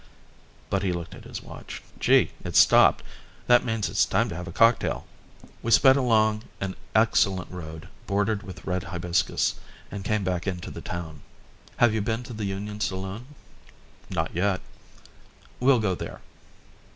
But he looked at his watch. "Gee, it's stopped. That means it's time to have a cocktail." We sped along an excellent road, bordered with red hibiscus, and came back into the town. "Have you been to the Union Saloon?" "Not yet." "We'll go there."